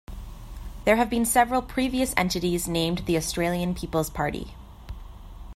There have been several previous entities named The Australian People's Party.